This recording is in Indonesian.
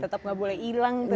tetap gak boleh hilang tuh ya